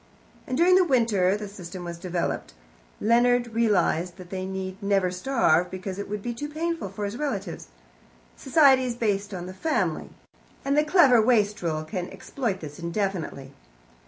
And during the winter the system was developed. Leonard realized that they need never starve, because it would be too painful for his relatives. Society is based on the family, and the clever wastrel can exploit this indefinitely.